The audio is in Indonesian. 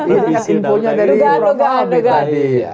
ini simponya dari ropambe tadi